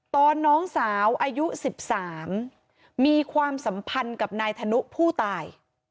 น้องสาวอายุ๑๓มีความสัมพันธ์กับนายธนุผู้ตาย